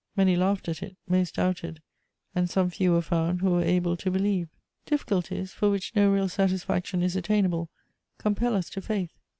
Many laughed at it, most doubted, and some few were found who were able to believe. Difficulties, for which no real satisfaction is attainable, compel us to faith.